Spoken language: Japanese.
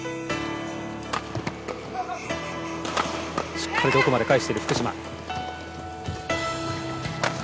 しっかりと奥まで返している福島。